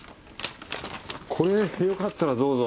これよかったらどうぞ。